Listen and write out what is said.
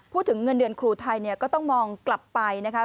พูดถึงเงินเดือนครูไทยเนี่ยก็ต้องมองกลับไปนะคะ